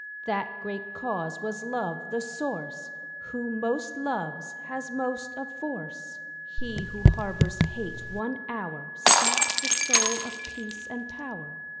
That great Cause was Love, the Source Who most loves has most of Force. He who harbours Hate one hour Saps the soul of Peace and Power.